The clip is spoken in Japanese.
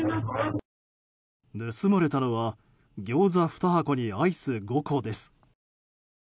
盗まれたのはギョーザ２箱にアイス５個です。